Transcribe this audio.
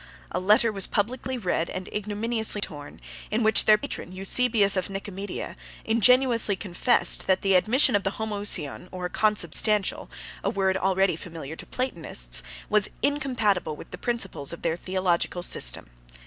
A letter was publicly read, and ignominiously torn, in which their patron, Eusebius of Nicomedia, ingenuously confessed, that the admission of the Homoousion, or Consubstantial, a word already familiar to the Platonists, was incompatible with the principles of their theological system.